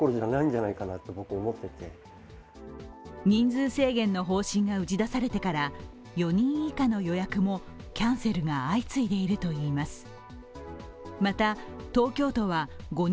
人数制限の方針が打ち出されてから４人以下の予約もキャンセルが相次いでいるといいます。